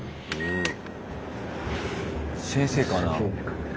先生かなあ。